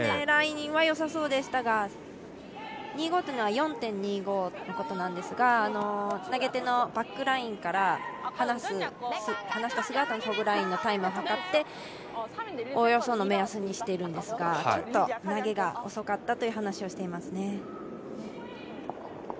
ラインはよさそうでしたが、ニーゴーというのは４．２５のことなんですが投げ手のバックラインから離したすぐのホッグラインの秒数を測っておおよその目安にしているんですが、ちょっと投げが遅かったという話をしていますね。